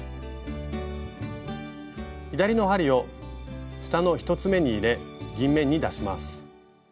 左の針を下の１つめに入れ銀面に出します。